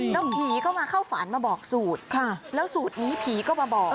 แล้วผีก็มาเข้าฝันมาบอกสูตรแล้วสูตรนี้ผีก็มาบอก